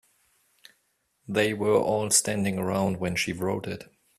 They were all standing around when she wrote it.